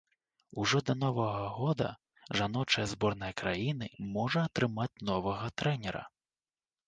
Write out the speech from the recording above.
Ужо да новага года жаночая зборная краіны можа атрымаць новага трэнера.